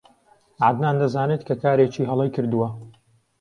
عەدنان دەزانێت کە کارێکی هەڵەی کردووە.